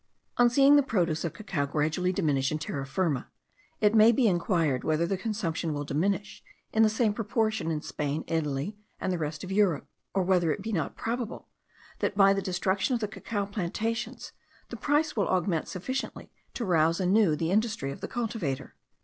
On seeing the produce of cacao gradually diminish in Terra Firma, it may be inquired, whether the consumption will diminish in the same proportion in Spain, Italy, and the rest of Europe; or whether it be not probable, that by the destruction of the cacao plantations, the price will augment sufficiently to rouse anew the industry of the cultivator.